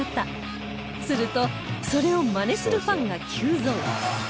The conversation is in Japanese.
するとそれをマネするファンが急増